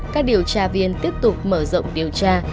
các điều tra viên tiếp tục mở rộng điều tra